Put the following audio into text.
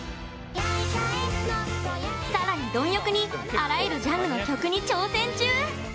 さらに貪欲にあらゆるジャンルの曲に挑戦中。